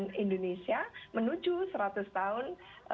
dan indonesia menuju seratus tahun tahun dua ribu empat puluh lima